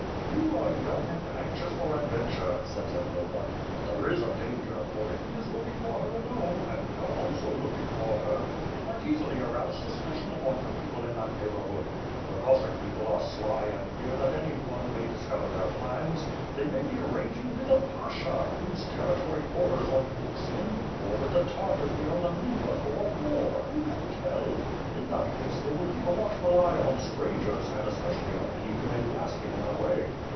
You are young and anxious for WITH FIRE AND SWORD. ^gj adventure/' said Zagloba, "but there is a danger; for if he is looking for her alone, and we are also looking for her, it might easily arouse suspicion among the people in that neighbor hood. The Cossack people are sly and fear that any one may discover their plans. They may be arranging with the Pasha, whose territory borders on Khotsim, or with the Tartars be yond the Dnieper for a war — who can tell? In that case they will keep a watchful eye on strangers and, especially, on any who may be asking their way.